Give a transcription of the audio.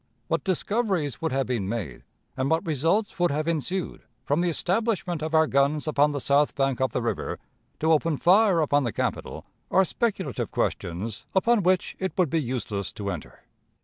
What discoveries would have been made and what results would have ensued from the establishment of our guns upon the south bank of the river, to open fire upon the capital, are speculative questions upon which it would be useless to enter.